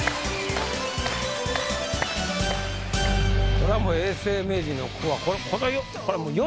これはもう永世名人の句はこの世